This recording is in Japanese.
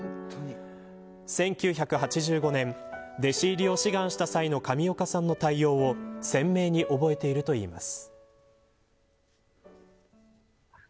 １９８５年弟子入りを志願した際の上岡さんの対応を鮮明に覚えているといいます。